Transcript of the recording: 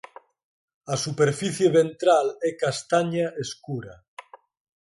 A superficie ventral é castaña escura.